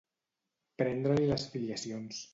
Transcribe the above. Prendre-li les filiacions.